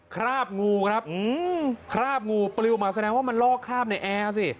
คราบงูครับคราบงูปลิวมาแสดงว่ามันลอกคราบในแอร์สิ